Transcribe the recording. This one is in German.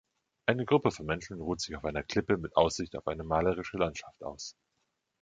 Eine Gruppe von Menschen ruht sich auf einer Klippe mit Aussicht auf eine malerische Landschaft aus.